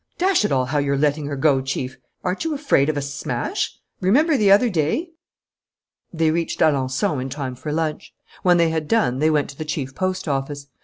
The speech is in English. Dash it all, how you're letting her go, Chief! Aren't you afraid of a smash? Remember the other day " They reached Alençon in time for lunch. When they had done, they went to the chief post office.